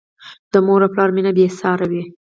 د مور او پلار مینه بې سارې وي.